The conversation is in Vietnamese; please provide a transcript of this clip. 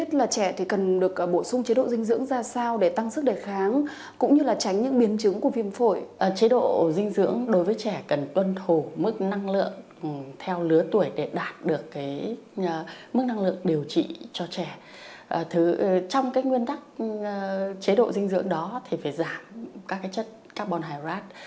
trong nguyên tắc chế độ dinh dưỡng đó thì phải giảm các chất carbon hydrate